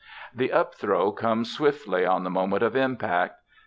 The upthrow comes swiftly on the moment of impact.